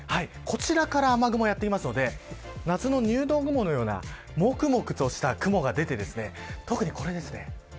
こちらから雨雲がやってきますので夏の入道雲のようなもくもくとした雲が出て特にこれです。